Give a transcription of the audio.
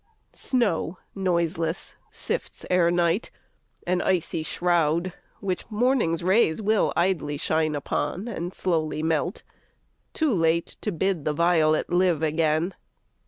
Snow noiseless sifts Ere night, an icy shroud, which morning's rays Willidly shine upon and slowly melt, Too late to bid the violet live again.